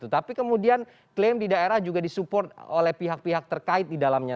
tapi kemudian klaim di daerah juga disupport oleh pihak pihak terkait di dalamnya